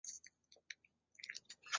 陡峭的峡谷壁几乎没有植被。